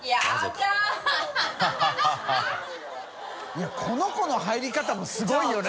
いこの子の入り方もすごいよね！